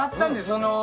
その。